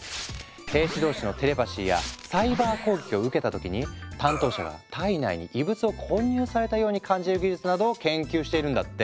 兵士同士のテレパシーやサイバー攻撃を受けた時に担当者が体内に異物を混入されたように感じる技術などを研究しているんだって。